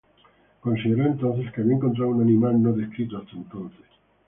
Consideró entonces que había encontrado un animal no descrito hasta entonces.